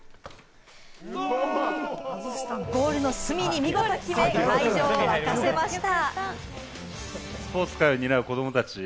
ゴールの隅に見事決め、会場を沸かせました。